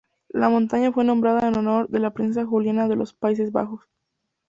La montaña fue nombrada en honor de la princesa Juliana de los Países Bajos.